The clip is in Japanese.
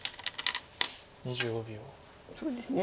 そうですね